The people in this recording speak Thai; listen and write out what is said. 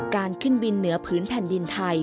การขึ้นบินเหนือพื้นแผ่นดินไทย